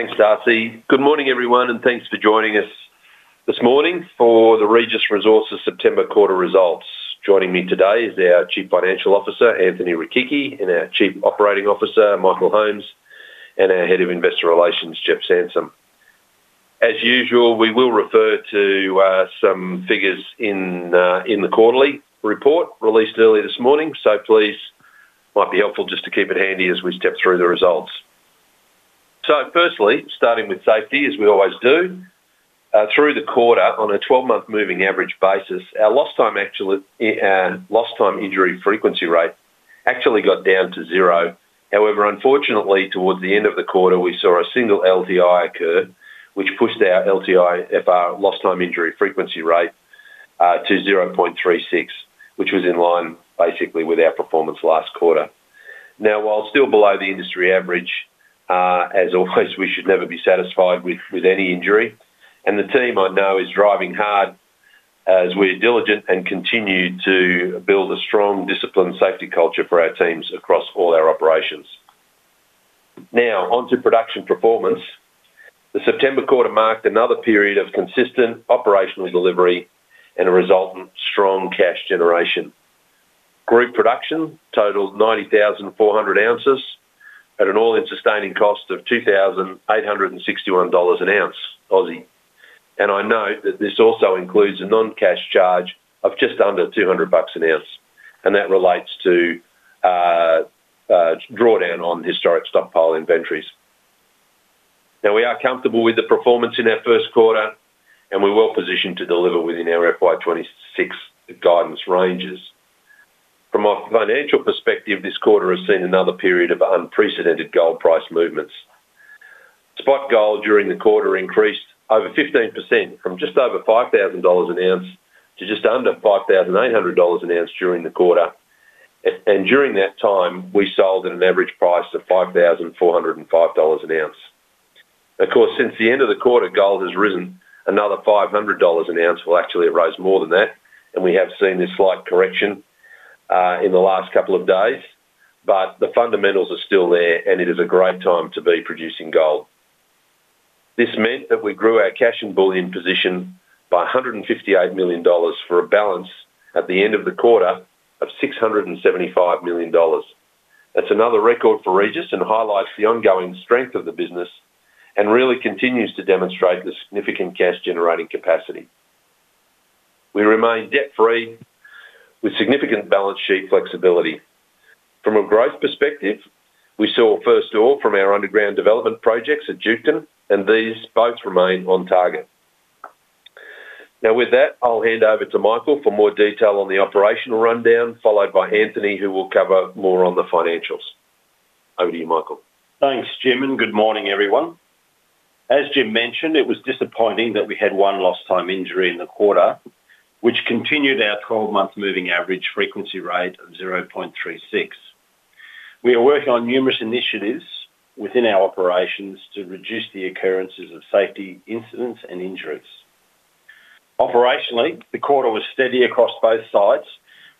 Thanks, Darcy. Good morning, everyone, and thanks for joining us this morning for the Regis Resources' September quarter results. Joining me today is our Chief Financial Officer, Anthony Rechichi, our Chief Operating Officer, Michael Holmes, and our Head of Investor Relations, Jeffrey Sansom. As usual, we will refer to some figures in the quarterly report released early this morning, so please, it might be helpful just to keep it handy as we step through the results. Firstly, starting with safety, as we always do, through the quarter, on a 12-month moving average basis, our lost time injury frequency rate actually got down to zero. However, unfortunately, towards the end of the quarter, we saw a single LTI occur, which pushed our LTI, our lost time injury frequency rate, to 0.36, which was in line, basically, with our performance last quarter. While still below the industry average, as always, we should never be satisfied with any injury, and the team, I know, is driving hard as we are diligent and continue to build a strong, disciplined safety culture for our teams across all our operations. Now, on to production performance. The September quarter marked another period of consistent operational delivery and a resultant strong cash generation. Group production totaled 90,400 ounces at an all-in sustaining cost of 2,861 dollars an ounce, Aussie. I note that this also includes a non-cash charge of just under 200 bucks an ounce, and that relates to a drawdown on historic stockpile inventories. We are comfortable with the performance in our first quarter, and we're well-positioned to deliver within our FY 2026 guidance ranges. From a financial perspective, this quarter has seen another period of unprecedented gold price movements. Spot gold during the quarter increased over 15% from just over 5,000 dollars an ounce to just under 5,800 dollars an ounce during the quarter, and during that time, we sold at an average price of 5,405 dollars an ounce. Of course, since the end of the quarter, gold has risen another 500 dollars an ounce. Actually, it rose more than that, and we have seen this slight correction in the last couple of days, but the fundamentals are still there, and it is a great time to be producing gold. This meant that we grew our cash and bullion position by 158 million dollars for a balance at the end of the quarter of 675 million dollars. That's another record for Regis and highlights the ongoing strength of the business and really continues to demonstrate the significant cash-generating capacity. We remain debt-free with significant balance sheet flexibility. From a growth perspective, we saw first ore from our underground development projects at Duketon, and these both remain on target. With that, I'll hand over to Michael for more detail on the operational rundown, followed by Anthony, who will cover more on the financials. Over to you, Michael. Thanks, Jim. Good morning, everyone. As Jim mentioned, it was disappointing that we had one lost time injury in the quarter, which continued our 12-month moving average frequency rate of 0.36. We are working on numerous initiatives within our operations to reduce the occurrences of safety incidents and injuries. Operationally, the quarter was steady across both sites,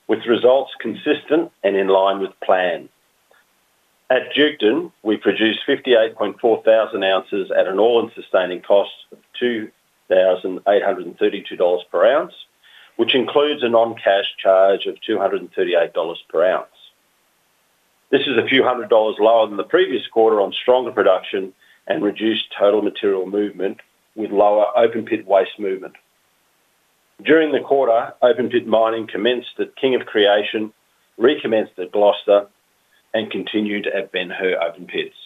with results consistent and in line with plan. At Duketon, we produced 58.4 thousand ounces at an all-in sustaining cost of 2,832 dollars per ounce, which includes a non-cash charge of 238 dollars per ounce. This is a few hundred dollars lower than the previous quarter on stronger production and reduced total material movement with lower open-pit waste movement. During the quarter, open-pit mining commenced at King of Creation, recommenced at Gloster, and continued at Ben Hur open pits.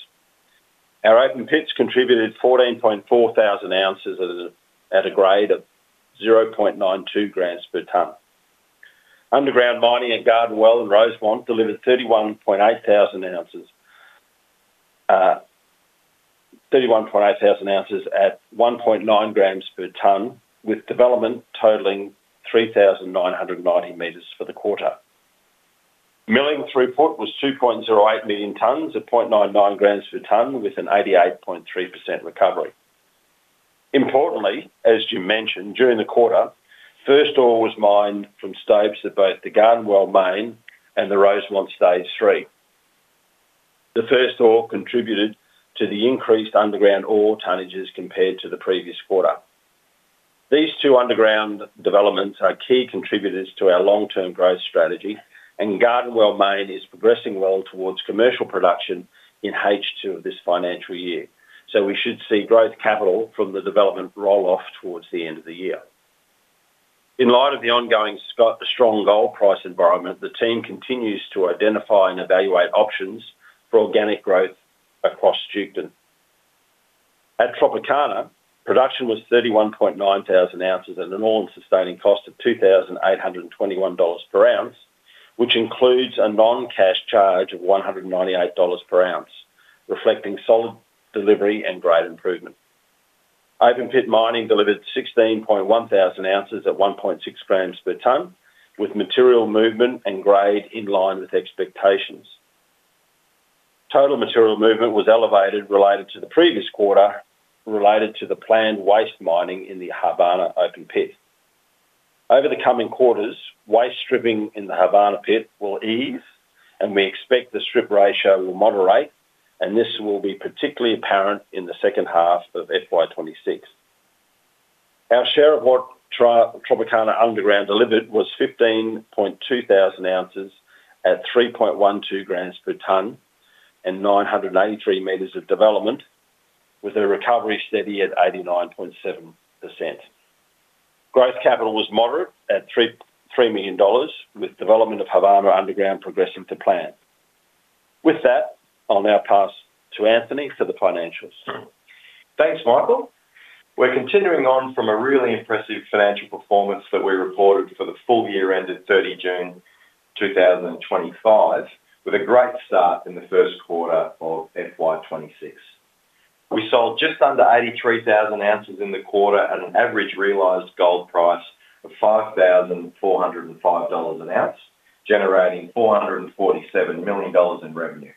Our open pits contributed 14.4 thousand ounces at a grade of 0.92 grams per ton. Underground mining at Garden Well and Rosemont delivered 31.8 thousand ounces at 1.9 grams per ton, with development totaling 3,990 meters for the quarter. Milling throughput was 2.08 million tonnes at 0.99 g per ton, with an 88.3% recovery. Importantly, as Jim mentioned, during the quarter, first ore was mined from stopes of both the Garden Well Main and the Rosemont Stage Three. The first ore contributed to the increased underground ore tonnages compared to the previous quarter. These two underground developments are key contributors to our long-term growth strategy, and Garden Well Main is progressing well towards commercial production in H2 of this financial year, so we should see growth capital from the development roll off towards the end of the year. In light of the ongoing strong gold price environment, the team continues to identify and evaluate options for organic growth across Duketon. At Tropicana, production was 31.9 thousand ounces at an all-in sustaining cost of 2,821 dollars per ounce, which includes a non-cash charge of 198 dollars per ounce, reflecting solid delivery and grade improvement. Open-pit mining delivered 16.1 thousand ounces at 1.6 g per ton, with material movement and grade in line with expectations. Total material movement was elevated compared to the previous quarter, related to the planned waste mining in the Havana open pit. Over the coming quarters, waste stripping in the Havana pit will ease, and we expect the strip ratio will moderate, and this will be particularly apparent in the second half of FY 2026. Our share of what Tropicana underground delivered was 15.2 thousand ounces at 3.12 g per ton and 983 m of development, with a recovery steady at 89.7%. Growth capital was moderate at 3 million dollars, with development of Havana underground progressing to plan. With that, I'll now pass to Anthony for the financials. Thanks, Michael. We're continuing on from a really impressive financial performance that we reported for the full year ended 30 June 2025, with a great start in the first quarter of FY 2026. We sold just under 83 thousand ounces in the quarter at an average realized gold price of 5,405 dollars an ounce, generating 447 million dollars in revenue.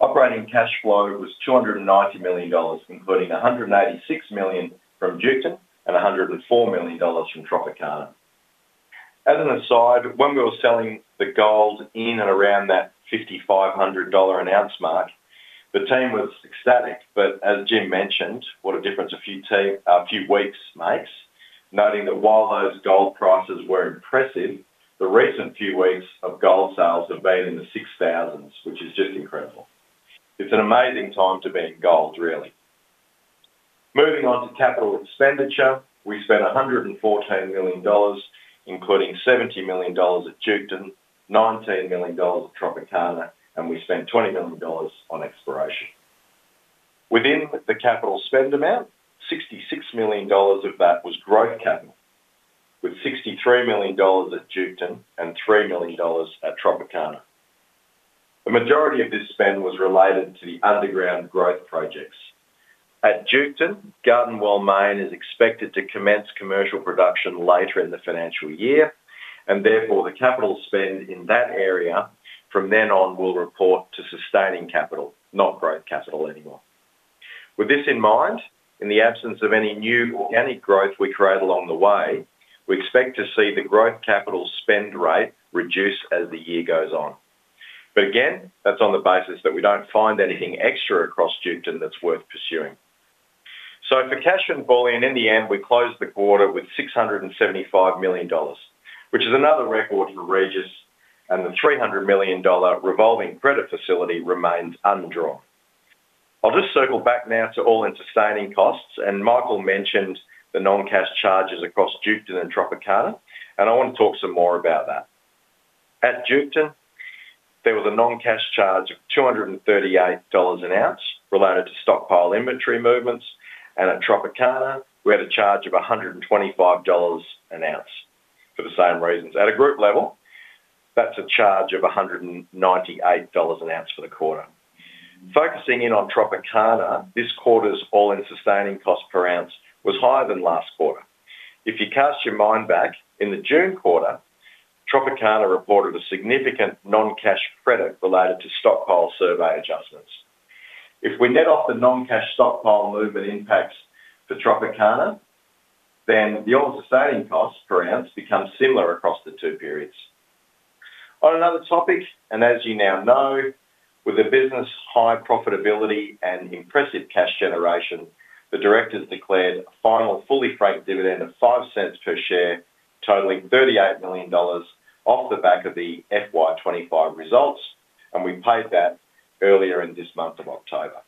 Operating cash flow was 290 million dollars, including 186 million from Duketon and 104 million dollars from Tropicana. As an aside, when we were selling the gold in and around that 5,500 dollar an ounce mark, the team was ecstatic, but as Jim mentioned, what a difference a few weeks makes, noting that while those gold prices were impressive, the recent few weeks of gold sales have been in the six thousands, which is just incredible. It's an amazing time to be in gold, really. Moving on to capital expenditure, we spent 114 million dollars, including 70 million dollars at Duketon, 19 million dollars at Tropicana, and we spent 20 million dollars on exploration. Within the capital spend amount, 66 million dollars of that was growth capital, with 63 million dollars at Duketon and 3 million dollars at Tropicana. The majority of this spend was related to the underground growth projects. At Duketon, Garden Well main is expected to commence commercial production later in the financial year, and therefore, the capital spend in that area, from then on, will report to sustaining capital, not growth capital anymore. With this in mind, in the absence of any new organic growth we create along the way, we expect to see the growth capital spend rate reduce as the year goes on. That is on the basis that we don't find anything extra across Duketon that's worth pursuing. For cash and bullion, in the end, we closed the quarter with 675 million dollars, which is another record for Regis, and the 300 million dollar revolving credit facility remains undrawn. I'll just circle back now to all-in sustaining costs, and Michael mentioned the non-cash charges across Duketon and Tropicana, and I want to talk some more about that. At Duketon, there was a non-cash charge of 238 dollars an ounce related to stockpile inventory movements, and at Tropicana, we had a charge of 125 dollars an ounce for the same reasons. At a group level, that's a charge of 198 dollars an ounce for the quarter. Focusing in on Tropicana, this quarter's all-in sustaining cost per ounce was higher than last quarter. If you cast your mind back, in the June quarter, Tropicana reported a significant non-cash credit related to stockpile survey adjustments. If we net off the non-cash stockpile movement impacts for Tropicana, then the all-in sustaining cost per ounce becomes similar across the two periods. On another topic, and as you now know, with a business high profitability and impressive cash generation, the directors declared a final fully-franked dividend of 0.05 per share, totaling 38 million dollars off the back of the FY 2025 results, and we paid that earlier in this month of October.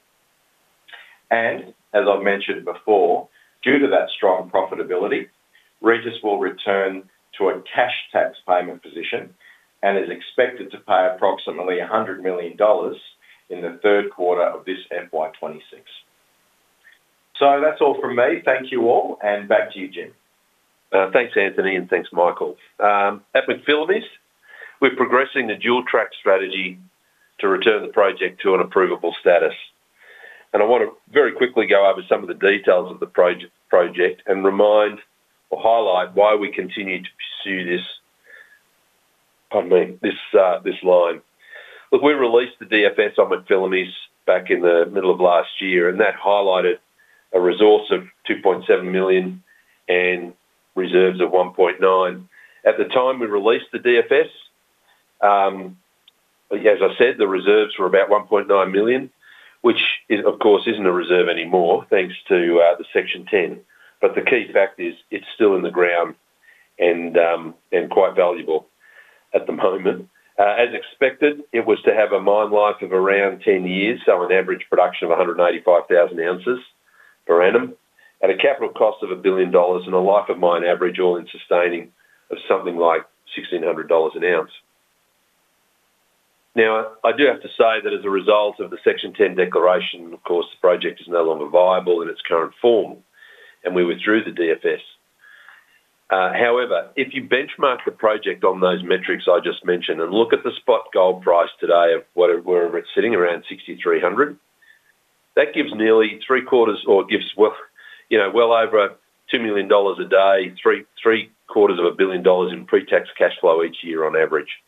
As I've mentioned before, due to that strong profitability, Regis will return to a cash tax payment position and is expected to pay approximately 100 million dollars in the third quarter of this FY 2026. That's all from me. Thank you all, and back to you, Jim. Thanks, Anthony, and thanks, Michael. At MacPhillamys, we're progressing the dual-track strategy to return the project to an approvable status, and I want to very quickly go over some of the details of the project and remind or highlight why we continue to pursue this line. Look, we released the DFS on MacPhillamys back in the middle of last year, and that highlighted a resource of 2.7 million and reserves of 1.9. At the time we released the DFS, as I said, the reserves were about 1.9 million, which, of course, isn't a reserve anymore, thanks to the Section 10, but the key fact is it's still in the ground and quite valuable at the moment. As expected, it was to have a mine life of around 10 years, so an average production of 185,000 ounces per annum, at a capital cost of 1 billion dollars, and a life-of-mine average all-in sustaining cost of something like 1,600 dollars an ounce. I do have to say that as a result of the Section 10 declaration, of course, the project is no longer viable in its current form, and we withdrew the DFS. However, if you benchmark the project on those metrics I just mentioned and look at the spot gold price today of wherever it's sitting, around 6,300, that gives nearly three quarters or gives, well, you know, well over 2 million dollars a day, three quarters of 1 billion dollars in pre-tax cash flow each year on average.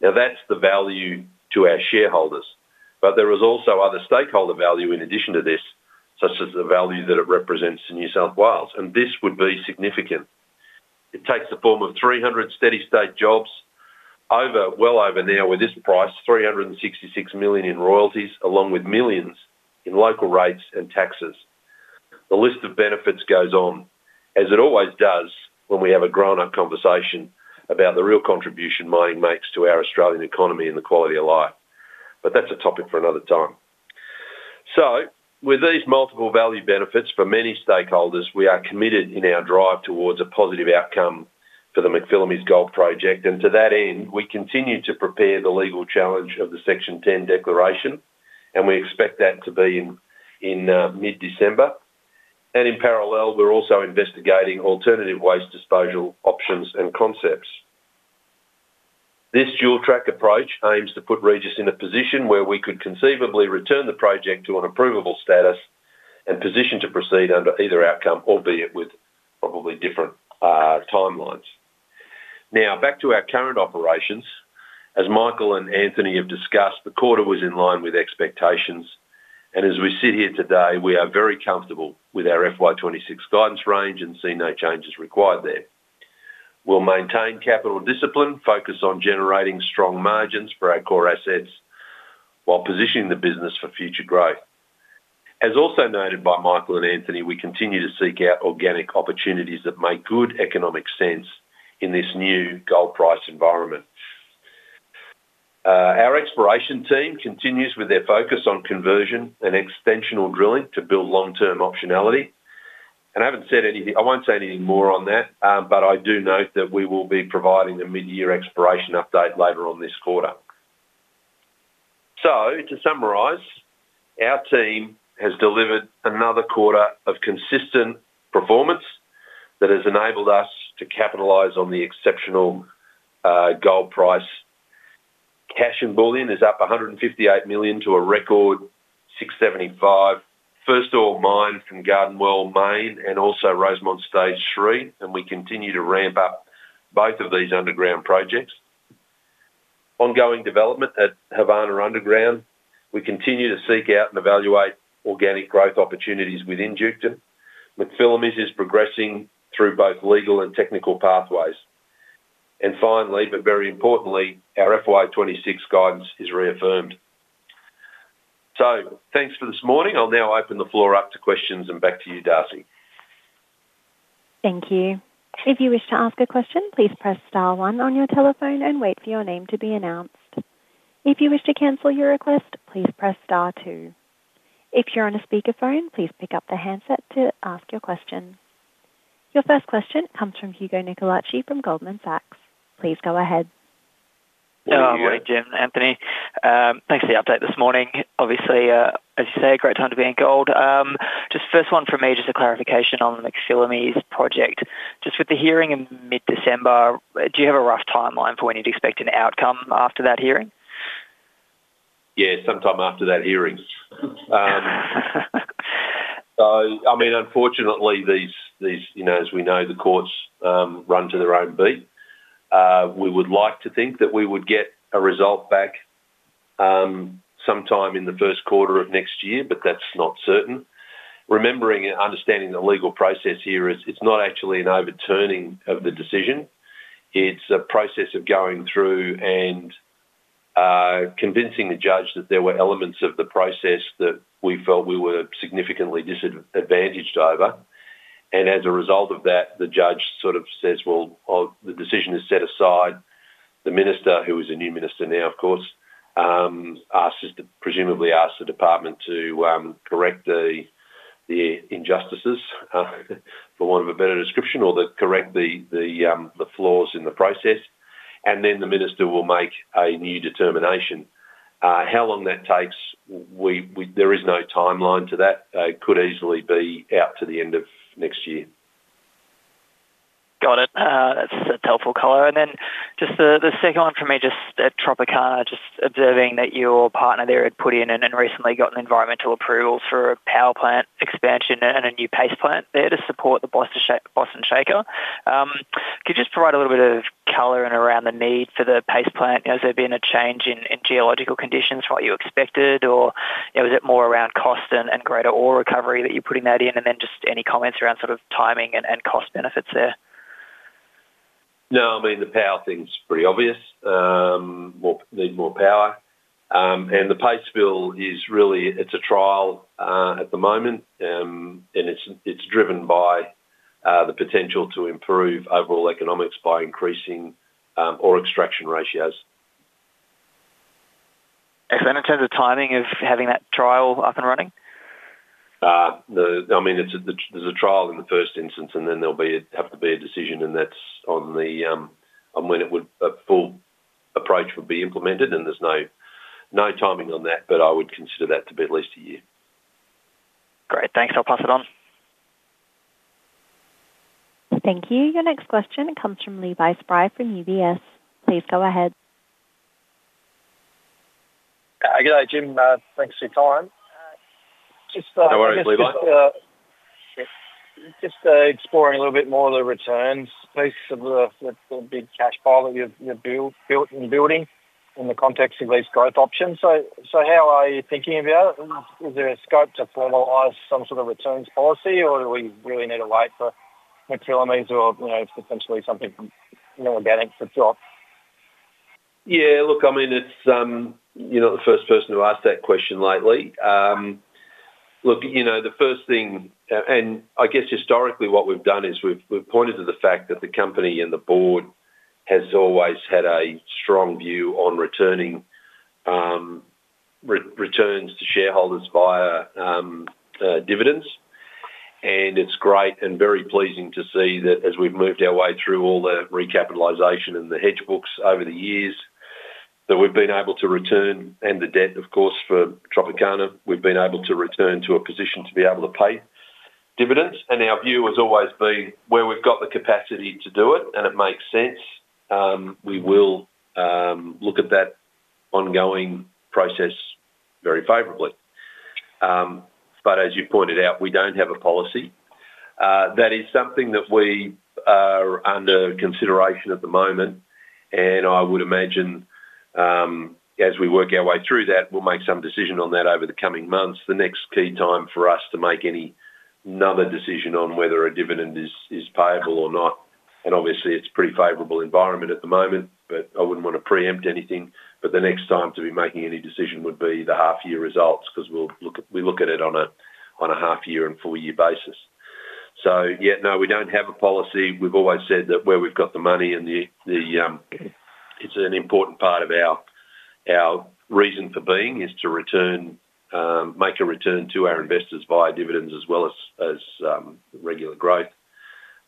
That's the value to our shareholders, but there is also other stakeholder value in addition to this, such as the value that it represents to New South Wales, and this would be significant. It takes the form of 300 steady-state jobs, well over now with this price, 366 million in royalties, along with millions in local rates and taxes. The list of benefits goes on, as it always does when we have a grown-up conversation about the real contribution mining makes to our Australian economy and the quality of life, but that's a topic for another time. With these multiple value benefits for many stakeholders, we are committed in our drive towards a positive outcome for the MacPhillamys gold project, and to that end, we continue to prepare the legal challenge of the Section 10 declaration, and we expect that to be in mid-December. In parallel, we're also investigating alternative waste disposal options and concepts. This dual-track approach aims to put Regis in a position where we could conceivably return the project to an approvable status and position to proceed under either outcome, albeit with probably different timelines. Now, back to our current operations. As Michael and Anthony have discussed, the quarter was in line with expectations, and as we sit here today, we are very comfortable with our FY 2026 guidance range and see no changes required there. We'll maintain capital discipline, focus on generating strong margins for our core assets while positioning the business for future growth. As also noted by Michael and Anthony, we continue to seek out organic opportunities that make good economic sense in this new gold price environment. Our exploration team continues with their focus on conversion and extensional drilling to build long-term optionality. I haven't said anything, I won't say anything more on that, but I do note that we will be providing the mid-year exploration update later on this quarter. To summarize, our team has delivered another quarter of consistent performance that has enabled us to capitalize on the exceptional gold price. Cash and bullion is up 158 million to a record 675 million. First ore mined from Garden Well Main and also Rosemont Stage 3, and we continue to ramp up both of these underground projects. Ongoing development at Havana underground. We continue to seek out and evaluate organic growth opportunities within Duketon. MacPhillamys is progressing through both legal and technical pathways. Finally, but very importantly, our FY 2026 guidance is reaffirmed. Thanks for this morning. I'll now open the floor up to questions and back to you, Darcy. Thank you. If you wish to ask a question, please press star one on your telephone and wait for your name to be announced. If you wish to cancel your request, please press star two. If you're on a speakerphone, please pick up the handset to ask your question. Your first question comes from Hugo Nicolaci from Goldman Sachs. Please go ahead. Yeah, I'm ready, Jim. Anthony, thanks for the update this morning. Obviously, as you say, a great time to be in gold. Just the first one for me, just a clarification on the MacPhillamys gold project. With the hearing in mid-December, do you have a rough timeline for when you'd expect an outcome after that hearing? Yeah, sometime after that hearing. Unfortunately, these, you know, as we know, the courts run to their own beat. We would like to think that we would get a result back sometime in the first quarter of next year, but that's not certain. Remembering and understanding the legal process here, it's not actually an overturning of the decision. It's a process of going through and convincing the judge that there were elements of the process that we felt we were significantly disadvantaged over. As a result of that, the judge sort of says the decision is set aside. The minister, who is a new minister now, of course, presumably asks the department to correct the injustices, for want of a better description, or to correct the flaws in the process, and then the minister will make a new determination. How long that takes, there is no timeline to that. It could easily be out to the end of next year. Got it. That's a helpful color. Just the second one for me, at Tropicana, observing that your partner there had put in and recently got an environmental approval for a power plant expansion and a new paste plant there to support the Boston Shaker. Could you just provide a little bit of color around the need for the paste plant? Has there been a change in geological conditions from what you expected, or was it more around cost and greater ore recovery that you're putting that in? Any comments around timing and cost benefits there? No, I mean, the power thing's pretty obvious. We'll need more power. The paste fill is really, it's a trial at the moment, and it's driven by the potential to improve overall economics by increasing ore extraction ratios. Excellent. In terms of timing of having that trial up and running? I mean, there's a trial in the first instance, and then there'll have to be a decision. That's on when a full approach would be implemented, and there's no timing on that, but I would consider that to be at least a year. Great, thanks. I'll pass it on. Thank you. Your next question comes from Levi Spry from UBS. Please go ahead. Hi, good day, Jim. Thanks for your time. No worries, Levi. Just exploring a little bit more of the returns, basically, the big cash pile you're built and building in the context of these growth options. How are you thinking about it? Is there a scope to formalize some sort of returns policy, or do we really need to wait for the MacPhillamys gold project or, you know, potentially something more organic to drop? Yeah, look, I mean, you're not the first person to ask that question lately. The first thing, and I guess historically what we've done is we've pointed to the fact that the company and the Board has always had a strong view on returning returns to shareholders via dividends, and it's great and very pleasing to see that as we've moved our way through all the recapitalization and the hedge books over the years, that we've been able to return, and the debt, of course, for Tropicana, we've been able to return to a position to be able to pay dividends. Our view has always been, where we've got the capacity to do it and it makes sense, we will look at that ongoing process very favorably. As you pointed out, we don't have a policy. That is something that we are under consideration at the moment, and I would imagine as we work our way through that, we'll make some decision on that over the coming months. The next key time for us to make any other decision on whether a dividend is payable or not, obviously, it's a pretty favorable environment at the moment, but I wouldn't want to preempt anything. The next time to be making any decision would be the half-year results because we look at it on a half-year and full-year basis. No, we don't have a policy. We've always said that where we've got the money and the, it's an important part of our reason for being is to make a return to our investors via dividends as well as regular growth.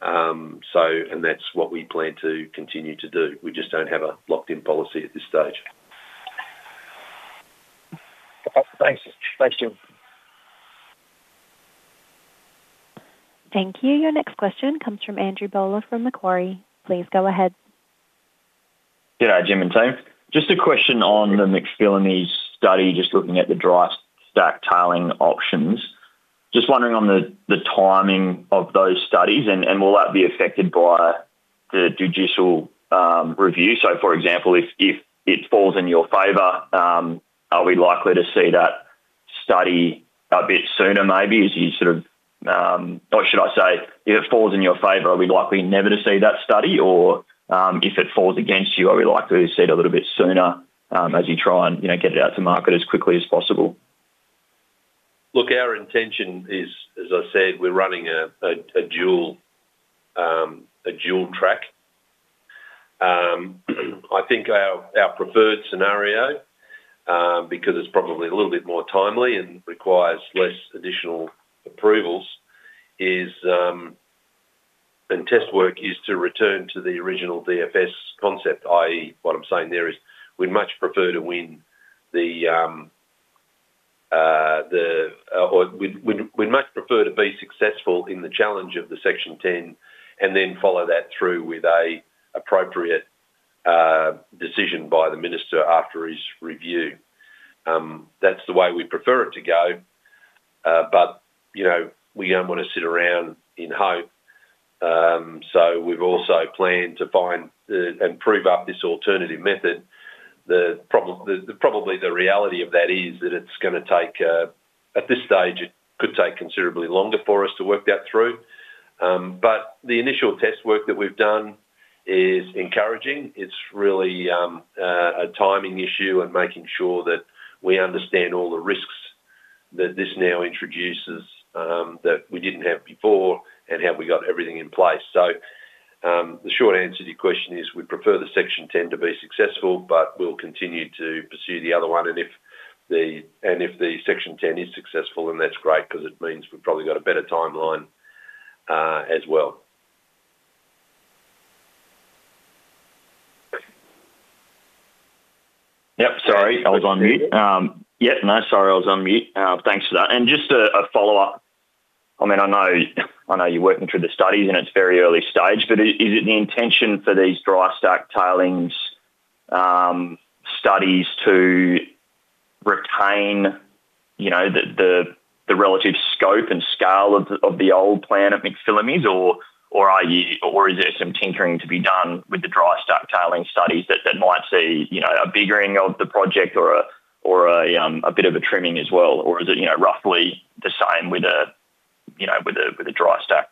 That's what we plan to continue to do. We just don't have a locked-in policy at this stage. Thanks, Jim. Thank you. Your next question comes from Andrew Gaballa from Macquarie. Please go ahead. Good day, Jim and team. Just a question on the MacPhillamys study, just looking at the dry stack tailing options. Just wondering on the timing of those studies and will that be affected by the judicial review? For example, if it falls in your favor, are we likely to see that study a bit sooner as you sort of, or should I say, if it falls in your favor, are we likely never to see that study? If it falls against you, are we likely to see it a little bit sooner as you try and get it out to market as quickly as possible? Look, our intention is, as I said, we're running a dual track. I think our preferred scenario, because it's probably a little bit more timely and requires less additional approvals and test work, is to return to the original DFS concept, i.e., what I'm saying there is we'd much prefer to win the, or we'd much prefer to be successful in the challenge of the Section 10 and then follow that through with an appropriate decision by the minister after his review. That's the way we'd prefer it to go, but we don't want to sit around in hope. We've also planned to find and prove up this alternative method. Probably the reality of that is that it's going to take, at this stage, it could take considerably longer for us to work that through. The initial test work that we've done is encouraging. It's really a timing issue and making sure that we understand all the risks that this now introduces that we didn't have before and how we got everything in place. The short answer to your question is we'd prefer the Section 10 to be successful, but we'll continue to pursue the other one. If the Section 10 is successful, then that's great because it means we've probably got a better timeline as well. Sorry. I was on mute. Yeah, no, sorry. I was on mute. Thanks for that. Just a follow-up. I know you're working through the studies and it's very early stage, but is it the intention for these dry stack tailings studies to retain the relative scope and scale of the old plan at MacPhillamys, or is there some tinkering to be done with the dry stack tailings studies that might see a biggering of the project or a bit of a trimming as well? Is it roughly the same with a dry stack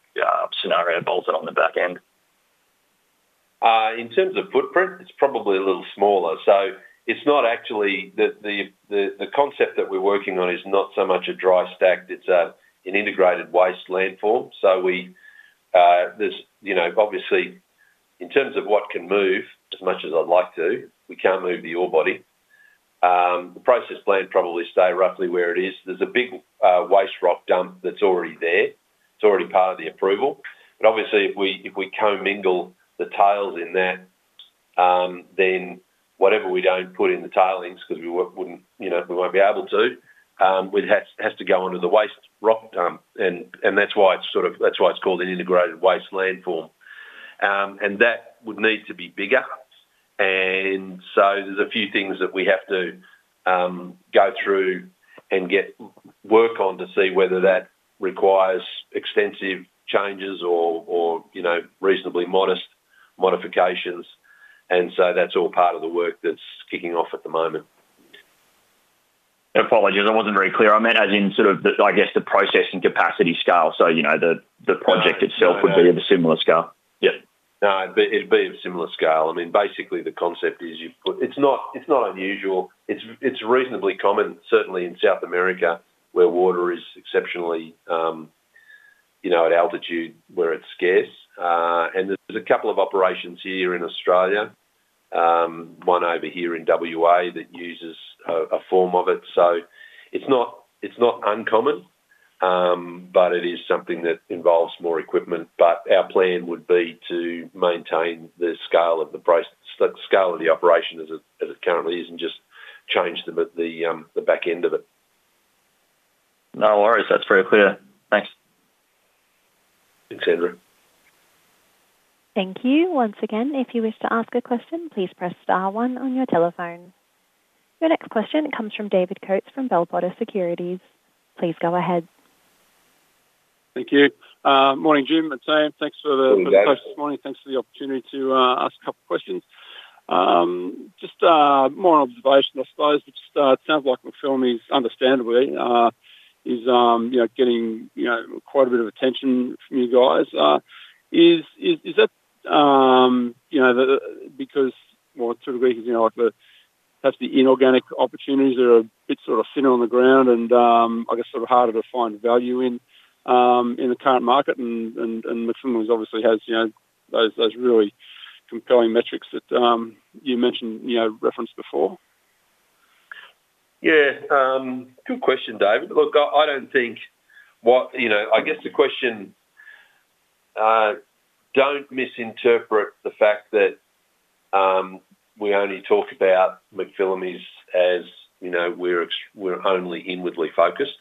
scenario bolted on the back end? In terms of footprint, it's probably a little smaller. It's not actually the concept that we're working on; it's not so much a dry stack. It's an integrated waste landform. Obviously, in terms of what can move, as much as I'd like to, we can't move the ore body. The process plant probably stays roughly where it is. There's a big waste rock dump that's already there. It's already part of the approval. If we commingle the tails in that, then whatever we don't put in the tailings, because we won't be able to, it has to go under the waste rock dump, and that's why it's called an integrated waste landform. That would need to be bigger, and there are a few things that we have to go through and get work on to see whether that requires extensive changes or reasonably modest modifications. That's all part of the work that's kicking off at the moment. Apologies, I wasn't very clear. I meant, as in, I guess, the processing capacity scale. The project itself would be of a similar scale. Yeah. No, it'd be of a similar scale. I mean, basically, the concept is you put, it's not unusual. It's reasonably common, certainly in South America, where water is exceptionally, you know, at altitude where it's scarce. There are a couple of operations here in Australia, one over here in WA that uses a form of it. It's not uncommon, but it is something that involves more equipment. Our plan would be to maintain the scale of the operation as it currently is and just change the back end of it. No worries. That's very clear. Thanks. Thanks, Andrew. Thank you. Once again, if you wish to ask a question, please press star one on your telephone. Your next question comes from David Coates from Bell Potter Securities. Please go ahead. Thank you. Morning, Jim. It's Sam. Thanks for the post this morning. Thanks for the opportunity to ask a couple of questions. Just more an observation, I suppose, which sounds like MacPhillamys, understandably, is getting quite a bit of attention from you guys. Is that because it sort of equals the perhaps the inorganic opportunities that are a bit thinner on the ground and, I guess, sort of harder to find value in in the current market, and MacPhillamys obviously has those really compelling metrics that you mentioned, referenced before? Yeah. Good question, David. Look, I don't think, you know, I guess the question, don't misinterpret the fact that we only talk about the MacPhillamys gold project as, you know, we're only inwardly focused.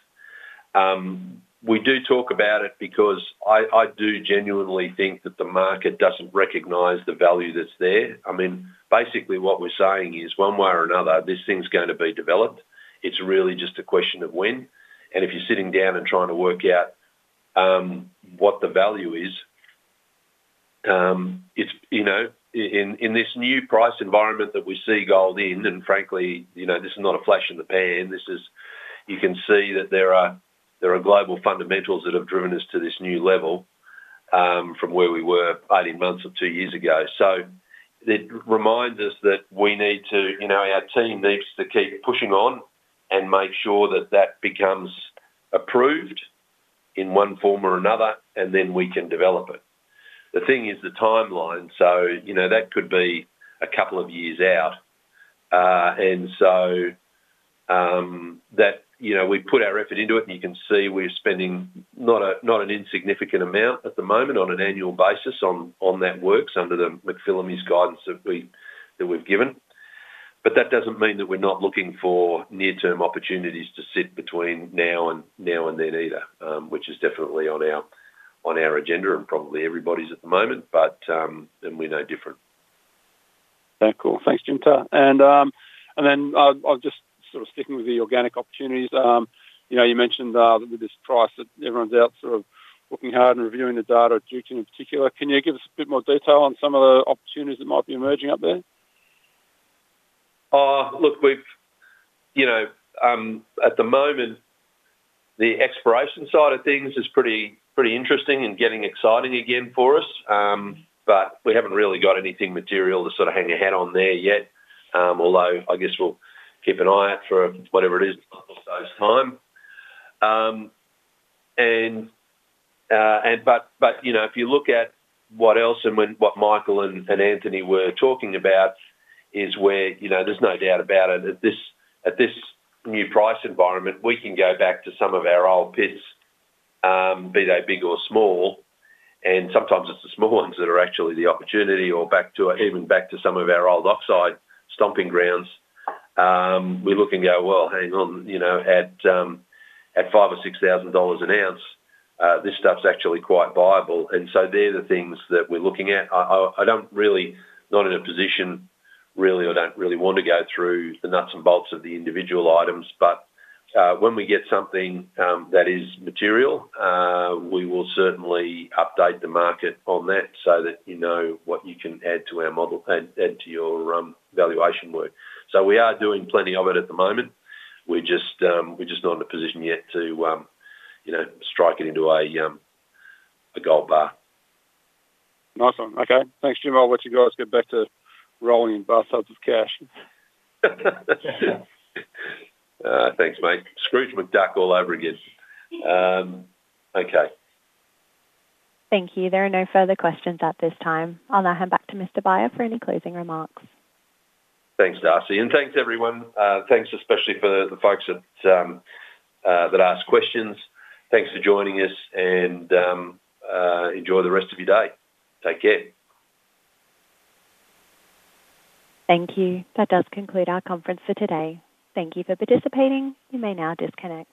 We do talk about it because I do genuinely think that the market doesn't recognize the value that's there. I mean, basically, what we're saying is, one way or another, this thing's going to be developed. It's really just a question of when. If you're sitting down and trying to work out what the value is, it's, you know, in this new price environment that we see gold in, and frankly, you know, this is not a flash in the pan. You can see that there are global fundamentals that have driven us to this new level from where we were 18 months or 2 years ago. It reminds us that we need to, you know, our team needs to keep pushing on and make sure that that becomes approved in one form or another, and then we can develop it. The thing is the timeline. You know, that could be a couple of years out. That, you know, we put our effort into it, and you can see we're spending not an insignificant amount at the moment on an annual basis on that works under the MacPhillamys guidance that we've given. That doesn't mean that we're not looking for near-term opportunities to sit between now and then either, which is definitely on our agenda and probably everybody's at the moment, but we're no different. Thanks, Jim. I'll just sort of stick with the organic opportunities. You mentioned that with this price that everyone's out looking hard and reviewing the data at Duketon in particular. Can you give us a bit more detail on some of the opportunities that might be emerging up there? Look, at the moment, the exploration side of things is pretty interesting and getting exciting again for us, but we haven't really got anything material to hang our hat on there yet, although I guess we'll keep an eye out for whatever it is that closes time. If you look at what else and what Michael and Anthony were talking about, there's no doubt about it. At this new price environment, we can go back to some of our old pits, be they big or small, and sometimes it's the small ones that are actually the opportunity or even back to some of our old oxide stomping grounds. We look and go, "Hang on, at 5,000 or 6,000 dollars an ounce, this stuff's actually quite viable." They're the things that we're looking at. I'm not really in a position, I don't really want to go through the nuts and bolts of the individual items, but when we get something that is material, we will certainly update the market on that so that you know what you can add to our model and add to your valuation work. We are doing plenty of it at the moment. We're just not in a position yet to strike it into a gold bar. Awesome. Okay. Thanks, Jim. I'll let you guys get back to rolling in bathtubs of cash. Thanks, mate. Scrooge McDuck all over again. Okay. Thank you. There are no further questions at this time. I'll now hand back to Mr. Beyer for any closing remarks. Thanks, Darcy. Thanks, everyone. Thanks especially for the folks that asked questions. Thanks for joining us, and enjoy the rest of your day. Take care. Thank you. That does conclude our conference for today. Thank you for participating. You may now disconnect.